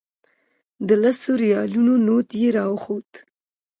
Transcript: د لسو ریالو نوټ یې راښود.